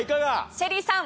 ＳＨＥＬＬＹさん